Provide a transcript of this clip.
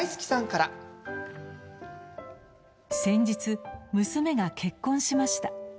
先日、娘が結婚しました。